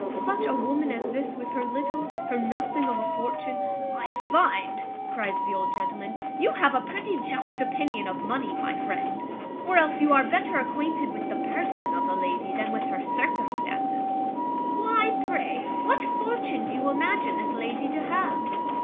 Such a woman as this with her little, her nothing of a fortune" "I find," cries the old gentleman, "you have a pretty just opinion of money, my friend, or else you are better acquainted with the person of the lady than with her circumstances. Why, pray, what fortune do you imagine this lady to have?"